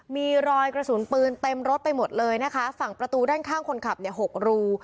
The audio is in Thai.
มีรอยกระสุนปืนเต็มรถไปหมดเลยนะคะฝั่งประตูด้านข้างคนขับเนี่ยหกรู